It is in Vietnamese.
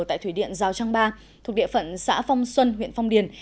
tại thủy điện giao trang ba thuộc địa phận xã phong xuân huyện phong điền